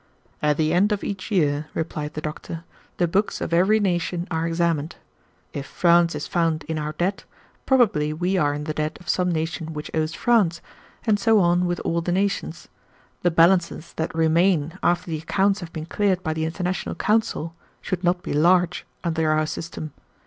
"At the end of each year," replied the doctor, "the books of every nation are examined. If France is found in our debt, probably we are in the debt of some nation which owes France, and so on with all the nations. The balances that remain after the accounts have been cleared by the international council should not be large under our system.